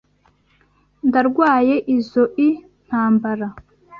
Ndarwaye izoi ntambara.